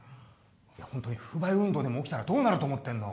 本当に不買運動でも起きたらどうなると思ってんの。